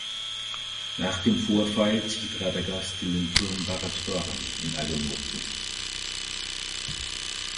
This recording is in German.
Nach dem Vorfall zieht Radagast in den Turm Barad Dhorn in Agamaur um.